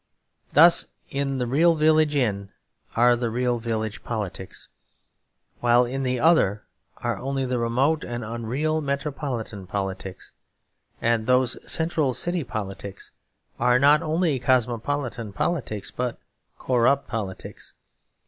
Thus in the real village inn are the real village politics, while in the other are only the remote and unreal metropolitan politics. And those central city politics are not only cosmopolitan politics but corrupt politics.